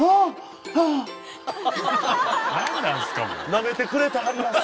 なめてくれてはります。